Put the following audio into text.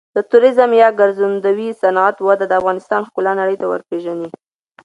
د توریزم یا ګرځندوی صنعت وده د افغانستان ښکلا نړۍ ته ورپیژني.